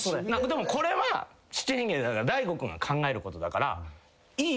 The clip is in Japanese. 「でもこれは七変化だから大悟君が考えることだからいいよ」